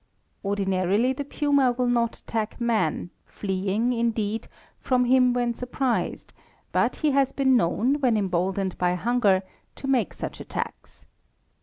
Ordinarily the puma will not attack man, fleeing, indeed, from him when surprised, but he has been known when emboldened by hunger to make such attacks.